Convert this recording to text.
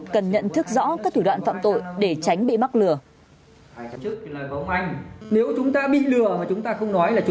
cần nhận thức rõ các thủ đoạn phạm tội